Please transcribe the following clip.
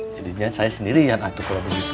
jadinya saya sendiri yang atuh kalau begitu